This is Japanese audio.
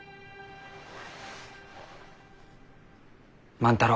万太郎。